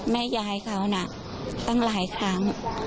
แม่ยายเขาน่ะตั้งหลายครั้ง